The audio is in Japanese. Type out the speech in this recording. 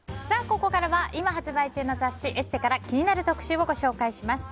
ここからは今発売中の雑誌「ＥＳＳＥ」から気になる特集をご紹介します。